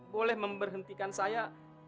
boleh memberhentikan saya